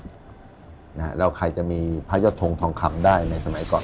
แล้วใครจะมีพระยอดทงทองคำได้ในสมัยก่อน